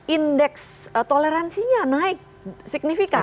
indeks toleransinya naik signifikan